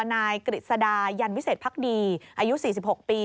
นายกฤษดายันวิเศษภักดีอายุ๔๖ปี